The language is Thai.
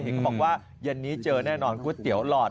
เขาบอกว่าเย็นนี้เจอแน่นอนก๋วยเตี๋ยวหลอด